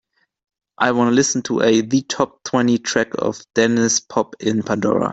i wanna listen to a the top-twenty track of Denniz Pop in Pandora